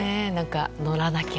乗らなきゃ。